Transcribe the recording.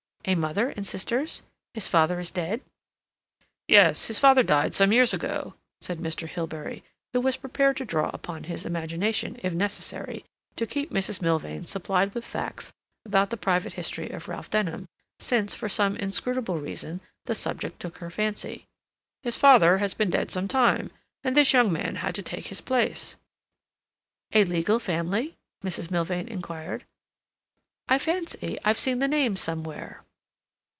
"A mother and sisters?—His father is dead?" "Yes, his father died some years ago," said Mr. Hilbery, who was prepared to draw upon his imagination, if necessary, to keep Mrs. Milvain supplied with facts about the private history of Ralph Denham since, for some inscrutable reason, the subject took her fancy. "His father has been dead some time, and this young man had to take his place—" "A legal family?" Mrs. Milvain inquired. "I fancy I've seen the name somewhere."